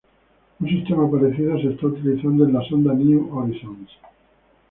Un sistema parecido se está utilizando en la sonda New Horizons.